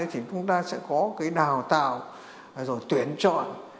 thì chúng ta sẽ có đào tạo tuyển chọn